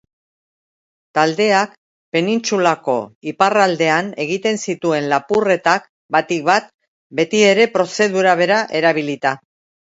Taldeak penintsulako iparraldean egiten zituen lapurretak batik bat, betiere prozedura bera erabilita.